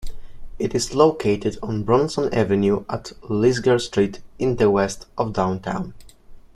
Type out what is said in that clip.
It is located on Bronson Avenue at Lisgar Street in the west of Downtown.